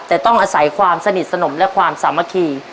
แต่ต้องอาศัยความสนิทสนมและความสามัคคี